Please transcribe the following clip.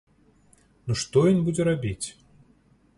Ну што ён будзе рабіць?